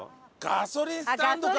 ガソリンスタンドか。